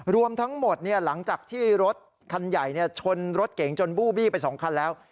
รวมทั้งหมดหลังจากที่รถคันใหญ่ชนรถเก๋งจนบู้บี้ไป๒คันแล้ว